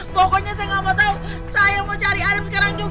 pokoknya saya gak mau tahu saya yang mau cari adam sekarang